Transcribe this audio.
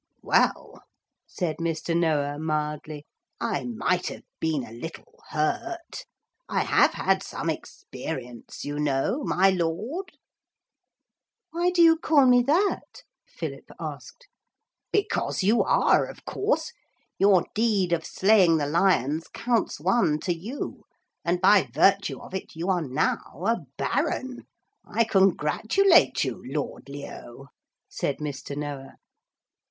'Well,' said Mr. Noah mildly, 'I might have been a little hurt. I have had some experience, you know, my Lord.' 'Why do you call me that?' Philip asked. 'Because you are, of course. Your deed of slaying the lions counts one to you, and by virtue of it you are now a Baron. I congratulate you, Lord Leo,' said Mr. Noah.